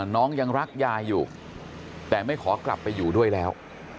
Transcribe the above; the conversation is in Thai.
น้องยังรักยายอยู่แต่ไม่ขอกลับไปอยู่ด้วยแล้ว